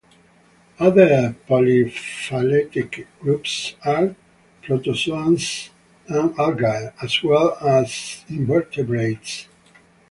Other polyphyletic groups are protozoans and algae, as well as invertebrates.